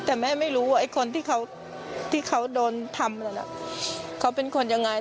แต่แม่ไม่รู้ว่าคนที่เขาโดนทำอะไรเขาเป็นคนอย่างไร